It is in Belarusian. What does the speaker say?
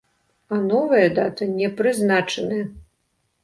А новая дата не прызначаная.